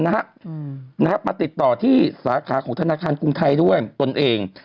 นะฮะมาติดต่อที่สาขาของธนาคารกรุงไทยด้วยตนเอง